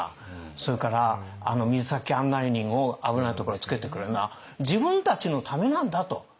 それから水先案内人を危ないところにつけてくれるのは自分たちのためなんだと。